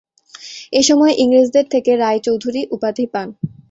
এসময় ইংরেজদের থেকে রায় চৌধুরী উপাধি পান।